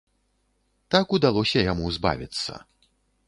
Так удалося яму збавіцца.